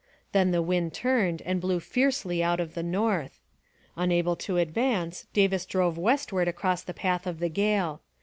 Then the wind turned and blew fiercely out of the north. Unable to advance, Davis drove westward across the path of the gale.